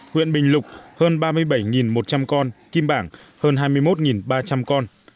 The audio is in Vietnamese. huyện bình lục hơn ba mươi bảy một trăm linh con kim bảng hơn hai mươi một ba trăm linh con